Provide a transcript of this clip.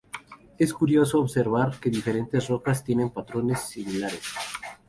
Es curioso observar que diferentes rocas tienen patrones similares.